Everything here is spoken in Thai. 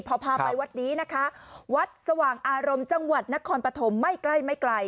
พอพาไปวัดนี้นะคะวัดสว่างอารมณ์จังหวัดนครปฐมไม่ใกล้ไม่ไกล